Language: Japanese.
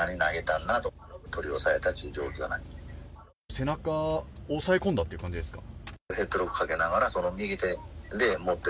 背中を押さえ込んだという感じですか。